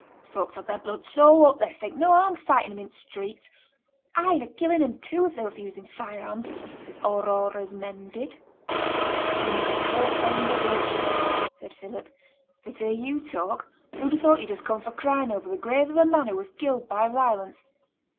T' folks ha' their blood so up they'd think no harm o' fighting 'em i' t' streets ay, and o' killing 'em, too, if they were for using fire arms, as t' Aurora's men did.' 'Women is so fond o' bloodshed,' said Philip; 'for t' hear you talk, who'd ha' thought you'd just come fra' crying ower the grave of a man who was killed by violence?